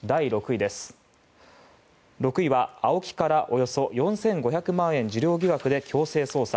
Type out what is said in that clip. ６位は、ＡＯＫＩからおよそ４５００万円受領疑惑で強制捜査。